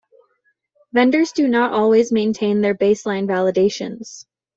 Vendors do not always maintain their baseline validations.